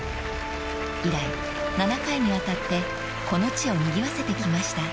［以来７回にわたってこの地をにぎわせてきました］